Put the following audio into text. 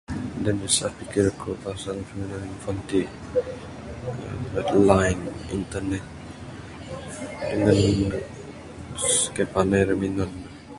Da nyusah aku pasal piminan handphone ti line internet ngan kaik panai ra minan ne.